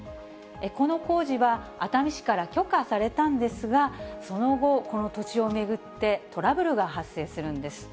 この工事は熱海市から許可されたんですが、その後、この土地を巡ってトラブルが発生するんです。